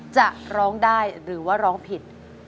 จะร้องได้หรือว่าร้องผิด